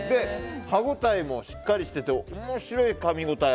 歯応えもしっかりしてて面白いかみ応え。